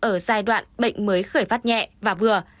ở giai đoạn bệnh mới khởi phát nhẹ và vừa